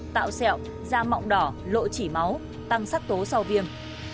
tạo sẹo da mọng đỏ lộ chỉ máu tăng sắc tố sau viêm